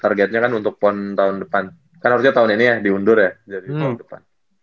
targetnya kan untuk pon tahun depan kan harusnya tahun ini ya diundur ya